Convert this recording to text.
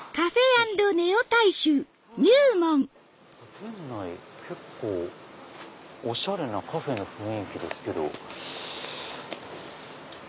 店内結構おしゃれなカフェの雰囲気ですけど。